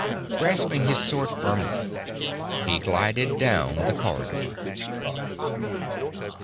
Grasping his sword firmly, he glided down the corridor.